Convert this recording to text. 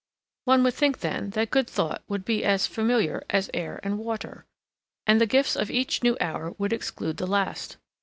One would think then that good thought would be as familiar as air and water, and the gifts of each new hour would exclude the last.